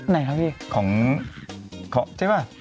ไหนครับพี่ของใช่ป่ะ